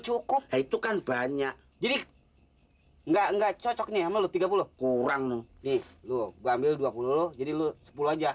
cukup itu kan banyak jadi enggak enggak cocoknya melu tiga puluh kurang nih lu ambil dua puluh jadi lu sepuluh aja